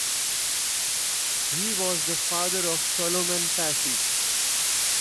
He was the father of Solomon Passy.